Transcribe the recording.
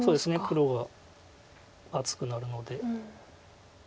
黒は厚くなるので。